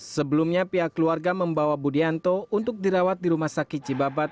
sebelumnya pihak keluarga membawa budianto untuk dirawat di rumah sakit cibabat